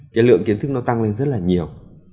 cái lượng kiến thức nó tăng lên rất là nhiều